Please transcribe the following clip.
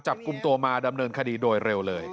จับกลุ่มตัวมาดำเนินคดีโดยเร็วเลย